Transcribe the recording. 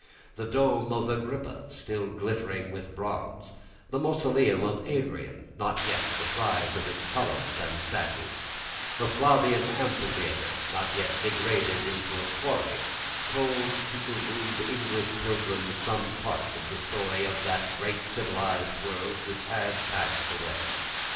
The dome of Agrippa, still glittering with bronze, the mausoleum of Adrian, not yet deprived of its columns and statues, the Flavian amphitheatre, not yet degraded into a quarry, told to the rude English pilgrims some part of the story of that great civilised world which had passed away.